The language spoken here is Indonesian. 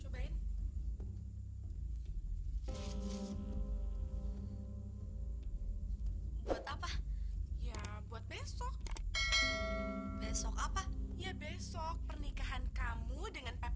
buat apa ya buat besok besok apa besok pernikahan kamu dengan